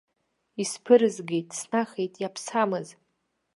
Исԥырызгеит, снахеит иаԥсамыз.